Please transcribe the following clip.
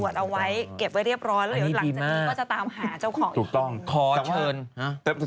อุ้ยสวรรค์ให้ฉันมดดมาจะบอกอย่างนี้